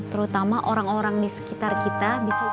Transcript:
terutama orang orang di sekitar kita